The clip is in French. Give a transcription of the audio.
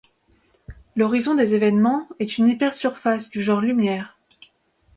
L'horizon des évènements est une hypersurface du genre lumière.